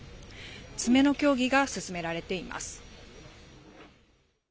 詰めの協議が進められています。